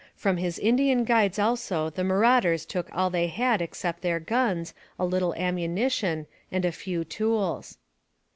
From his Indian guides also the marauders took all they had except their guns, a little ammunition, and a few tools.